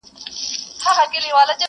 د خپل ورور زړه یې څیرلی په خنجر دی.!